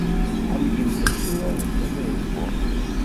Tḥemmlemt ad turaremt abaseball.